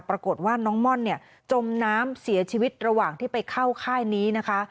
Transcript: ปรากฏว่าน้องม่อนเนี่ยจมน้ำเสียชีวิตระหว่างที่ไปเข้าค่ายนี้นะคะ